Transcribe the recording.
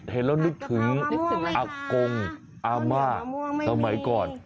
เห็นแล้วนึกถึงอากงอาม่าสมัยก่อน